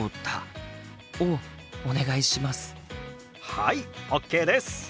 はいＯＫです！